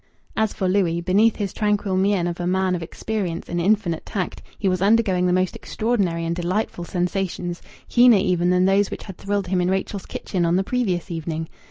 As for Louis, beneath his tranquil mien of a man of experience and infinite tact, he was undergoing the most extraordinary and delightful sensations, keener even than those which had thrilled him in Rachel's kitchen on the previous evening.